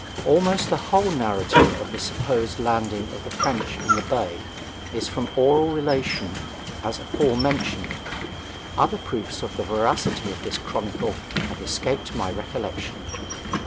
Almost the whole narrative of the supposed landing of the French in the Bay is from oral relation as aforesaid. Other proofs of the veracity of this chronicle have escaped my recollection.